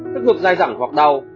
thức ngược dai dẳng hoặc đau